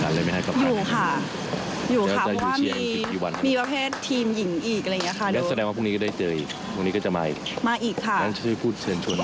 อาจจะลงแข่งกันด้วยในการการการคอนโด